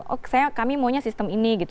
oh kami maunya sistem ini gitu